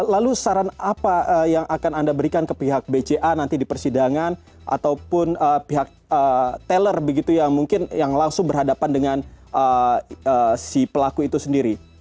lalu saran apa yang akan anda berikan ke pihak bca nanti di persidangan ataupun pihak teller begitu yang mungkin yang langsung berhadapan dengan si pelaku itu sendiri